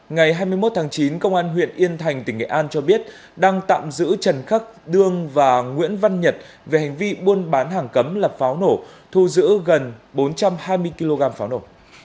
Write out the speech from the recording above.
ngày hai mươi một tháng chín công an huyện yên thành tỉnh nghệ an cho biết đang tạm giữ trần khắc đương và nguyễn văn nhật về hành vi buôn bán hàng cấm lập pháo nổ thu giữ gần bốn trăm hai mươi kg pháo nổ